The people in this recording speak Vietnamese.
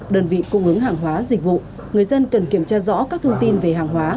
đơn vị cung ứng hàng hóa dịch vụ người dân cần kiểm tra rõ các thông tin về hàng hóa